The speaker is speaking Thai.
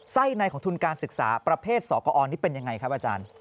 ในของทุนการศึกษาประเภทสกอนี่เป็นยังไงครับอาจารย์